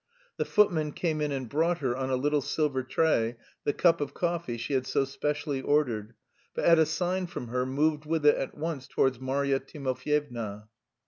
The footman came in and brought her, on a little silver tray, the cup of coffee she had so specially ordered, but at a sign from her moved with it at once towards Marya Timofyevna.